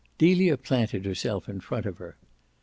Delia planted herself in front of her.